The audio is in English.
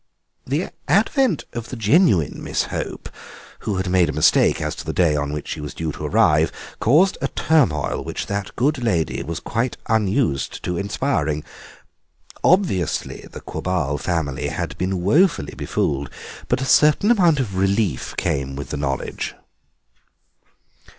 The advent of the genuine Miss Hope, who had made a mistake as to the day on which she was due to arrive, caused a turmoil which that good lady was quite unused to inspiring. Obviously the Quabarl family had been woefully befooled, but a certain amount of relief came with the knowledge.